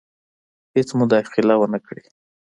هیڅ مداخله ونه کړي.